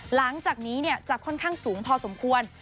หลังจากนี้จะค่อนข้างสูงพอสมควร